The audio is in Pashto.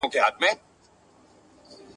وسله هغه ده چي په لاس کي وي !.